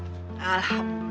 alhamdulillah emak jadi emak